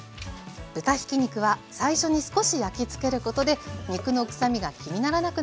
豚ひき肉は最初に少し焼きつけることで肉のくさみが気にならなくなります。